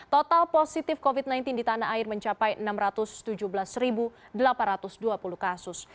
total positif covid sembilan belas di tanah air mencapai enam ratus tujuh belas delapan ratus dua puluh kasus